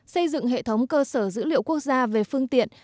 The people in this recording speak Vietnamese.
xây dựng hệ thống cơ sở dữ liệu quốc gia về phương tiện